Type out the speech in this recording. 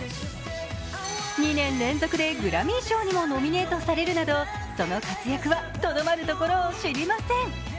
２年連続でグラミー賞にもノミネートされるなどその活躍はとどまるところを知りません。